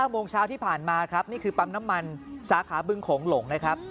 โมงเช้าที่ผ่านมาครับนี่คือปั๊มน้ำมันสาขาบึงโขงหลงนะครับ